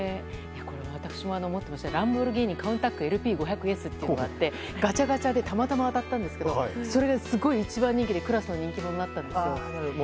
私も持っていましたけどランボルギーニカウンタックＬＰ５００Ｓがあってガチャガチャでたまたま当たったんですけどそれがすごく一番人気でクラスの人気者になったんです。